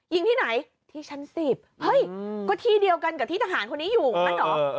ยิงที่ไหนที่ชั้น๑๐เฮ้ยก็ที่เดียวกันกับที่ทหารคนนี้อยู่อย่างนั้นเหรอ